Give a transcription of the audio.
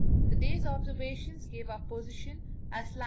The day's observations gave our position as lat.